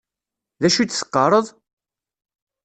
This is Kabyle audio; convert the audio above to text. D acu i d-teqqaṛeḍ?